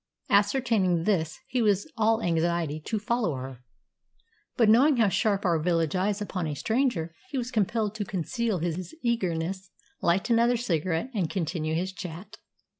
Ascertaining this, he was all anxiety to follow her; but, knowing how sharp are village eyes upon a stranger, he was compelled to conceal his eagerness, light another cigarette, and continue his chat.